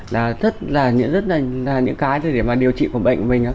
là rất là những cái để mà điều trị của bệnh mình